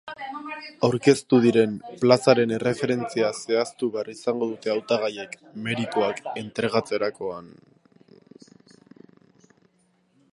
Aurkeztu diren plazaren erreferentzia zehaztu behar izango dute hautagaiek merituak entregatzerakoan.